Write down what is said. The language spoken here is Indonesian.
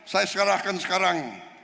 saya sekarahkan sekarang